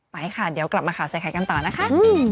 ไปค่ะเดี๋ยวกลับมาข่าวใส่ไข่กันต่อนะคะ